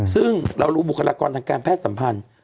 ซึ่งเรารู้บุคลากรทางการแพทย์สัมพันธ์